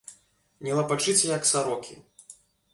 Не лапачыце, як сарокі!